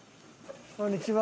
こんにちは。